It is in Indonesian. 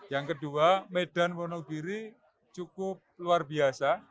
yang kedua medan wonogiri cukup luar biasa